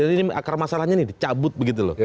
ini akar masalahnya nih dicabut begitu loh